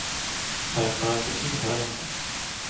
잘 가라는 듯이 인사를 한다.